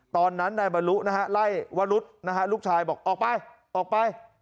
ตอนนั้นนายบรรลุนะฮะไล่วรุษนะฮะลูกชายบอกออกไปออกไป